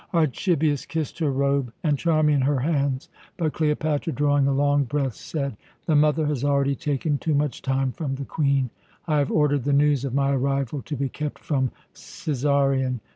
Archibius kissed her robe, and Charmian her hands; but Cleopatra, drawing a long breath, said: "The mother has already taken too much time from the Queen. I have ordered the news of my arrival to be kept from Cæsarion.